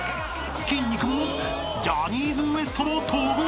［筋肉もジャニーズＷＥＳＴも跳ぶ］